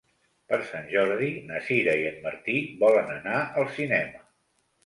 Per Sant Jordi na Sira i en Martí volen anar al cinema.